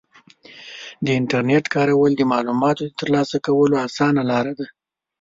د انټرنیټ کارول د معلوماتو د ترلاسه کولو اسانه لاره ده.